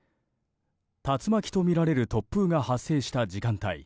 竜巻とみられる突風が発生した時間帯